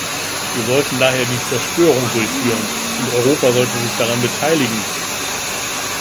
Wir sollten daher die Zerstörung durchführen, und Europa sollte sich daran beteiligen!